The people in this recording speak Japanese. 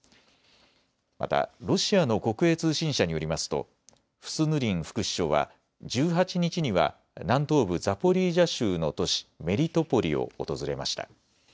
またロシアの国営通信社によりますとフスヌリン副首相は１８日には南東部ザポリージャ州の都市メリトポリを訪れました。